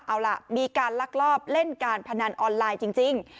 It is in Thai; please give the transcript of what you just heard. เอาล่ะมีการลักลอบเล่นการพนันออนไลน์จริง